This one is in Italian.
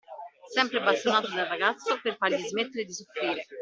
Sempre bastonato dal ragazzo per fargli smettere di soffrire